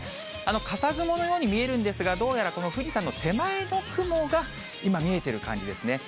かさ雲のように見えるんですが、どうやらこの富士山の手前の雲が今、見えている感じですね。